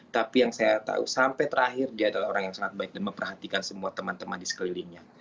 tapi yang saya tahu sampai terakhir dia adalah orang yang sangat baik dan memperhatikan semua teman teman di sekelilingnya